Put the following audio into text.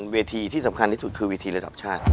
เวทีที่สำคัญที่สุดคือเวทีระดับชาติ